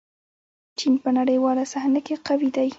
چین په نړیواله صحنه کې قوي دی.